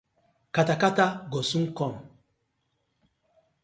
Kata kata go soon kom.